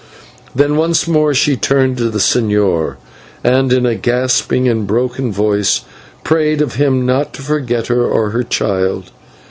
Then once more she turned to the señor and in a gasping and broken voice prayed of him not to forget her or her child.